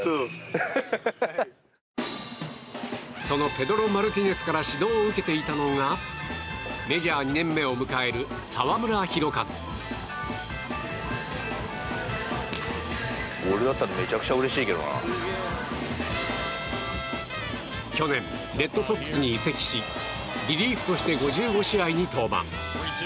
そのペドロ・マルティネスから指導を受けていたのがメジャー２年目を迎える澤村拓一・去年、レッドソックスに移籍しリリーフとして５５試合に登板。